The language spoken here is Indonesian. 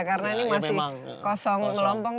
karena ini masih kosong melombong